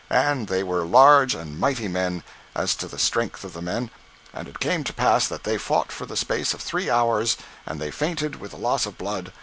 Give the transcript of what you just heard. And they were large and mighty men, as to the strength of men. And it came to pass that they fought for the space of three hours, and they fainted with the loss of blood.